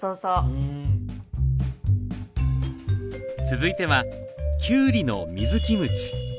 続いてはきゅうりの水キムチ。